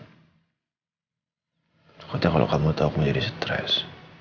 sekonnya kalau kamu tahu aku jadi stres